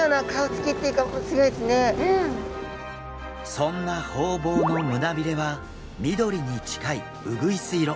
そんなホウボウの胸びれは緑に近いうぐいす色。